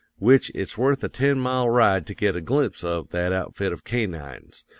Which it's worth a ten mile ride to get a glimpse of that outfit of canines!